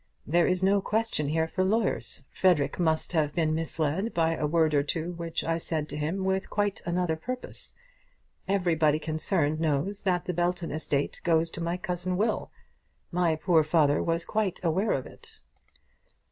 There is no question here for lawyers. Frederic must have been misled by a word or two which I said to him with quite another purpose. Everybody concerned knows that the Belton estate goes to my cousin Will. My poor father was quite aware of it."